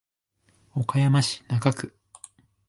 岡山市中区